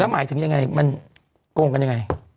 หมายถึงยังไงมันโกงกันยังไง